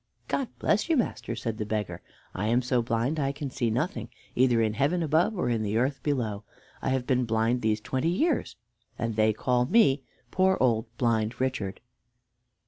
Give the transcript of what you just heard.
"God bless you, master!" said the beggar, "I am so blind I can see nothing, either in heaven above or in the earth below. I have been blind these twenty years, and they call me 'poor old blind Richard.'"